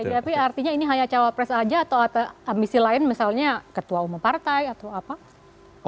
tapi artinya ini hanya cawapres saja atau ambisi lain misalnya ketua umum partai atau apa